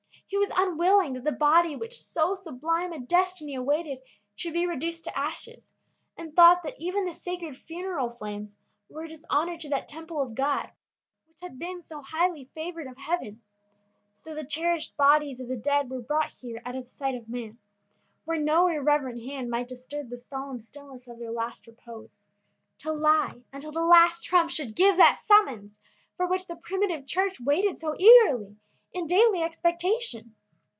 He was unwilling that the body which so sublime a destiny awaited should be reduced to ashes, and thought that even the sacred funeral flames were a dishonor to that temple of God which had been so highly favored of heaven. So the cherished bodies of the dead were brought here out of the sight of man, where no irreverent hand might disturb the solemn stillness of their last repose, to lie until the last trump should give that summons for which the primitive Church waited so eagerly, in daily expectation.